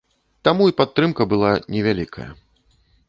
Таму і падтрымка была невялікая.